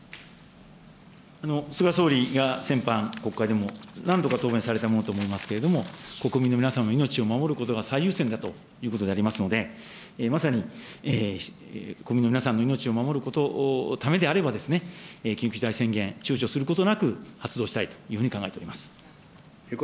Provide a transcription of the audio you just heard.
菅総理が先般、国会でも何度か答弁されたものと思いますけれども、国民の皆さんの命を守ることが最優先だということでありますので、まさに国民の皆さんの命を守ることのためであれば、緊急事態宣言、ちゅうちょすることなく発動したいというふうに考えております。